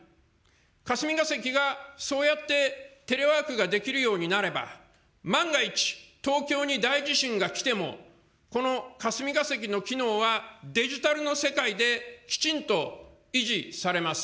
霞が関がそうやってテレワークができるようになれば、万が一、東京に大地震が来ても、この霞が関の機能はデジタルの世界できちんと維持されます。